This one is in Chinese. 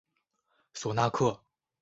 索纳克。